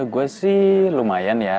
gue sih lumayan ya